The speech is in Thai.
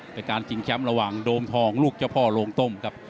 เป็นการชิงแชมป์ระหว่างโดมทองลูกเจ้าพ่อโรงต้มครับ